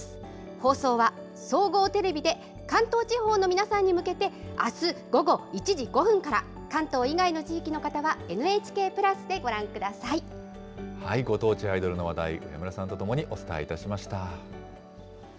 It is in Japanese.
放送は総合テレビで、関東地方の皆さんに向けて、あす午後１時５分から、関東以外の地域の方は、ご当地アイドルの話題、上村さんと共にお伝えいたしました。